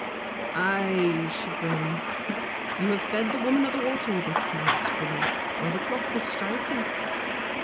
"Ay," she groaned, "you have fed the Woman of the Water this night, Willie, while the clock was striking."